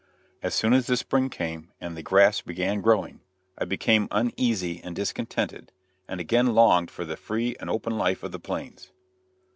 As soon as the spring came and the grass began growing, I became uneasy and discontented, and again longed for the free and open life of the plains.